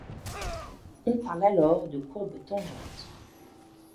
On parle alors de courbes tangentes.